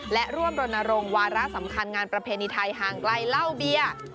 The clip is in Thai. และร่วมรณรงค์วาระสำคัญงานประเพณีไทยห่างไกลเหล้าเบียร์